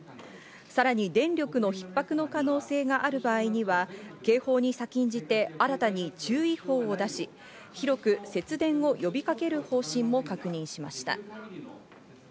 さらに電力のひっ迫の可能性がある場合には警報に先んじて、新たに注意報を出し、広く節電を呼びかける方針も確認しました。